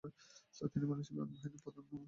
তিনি বাংলাদেশ বিমান বাহিনীর প্রথম প্রধান ছিলেন।